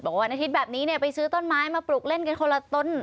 วันอาทิตย์แบบนี้เนี่ยไปซื้อต้นไม้มาปลูกเล่นกันคนละต้น